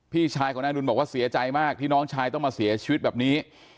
พี่ชายของนายอดุลบอกว่าเสียใจมากที่น้องชายต้องมาเสียชีวิตแบบนี้